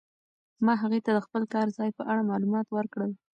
ما هغې ته د خپل کار ځای په اړه معلومات ورکړل.